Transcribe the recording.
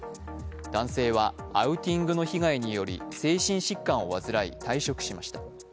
男性はアウティングの被害により精神疾患を患い退職しました。